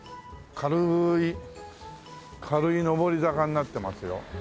かるい軽い上り坂になってますよ。